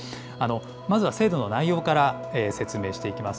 まずは制度の内容から説明していきます。